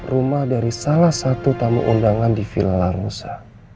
rumah dari salah satu tamu undangan di villa larosa